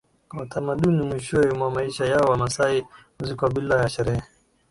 Kwa utamaduni mwishoni mwa maisha yao Wamasai huzikwa bila ya sherehe